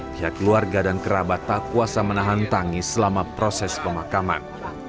pihak keluarga dan kerabat tak kuasa menahan tangis selama proses pemakaman